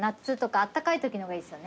あったかいときの方がいいですよね。